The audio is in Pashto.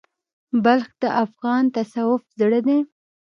بلخ د افغان تصوف زړه دی.